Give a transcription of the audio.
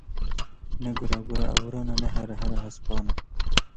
Ne guregura ewran e ne hirehira hespan e.